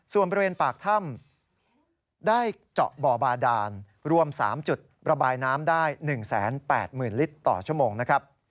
ส่วนบริเวณปากถ้ำได้เจาะบ่อบาดานรวม๓จุดระบายน้ำได้๑๘๐๐๐ลิตรต่อชั่วโมงนะครับ